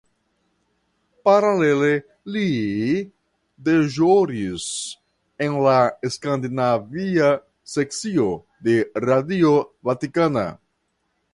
Paralele li deĵoris en la skandinavia sekcio de Radio Vatikana.